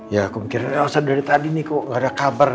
ya aku mikirin elsa dari tadi nih kok ga ada kabar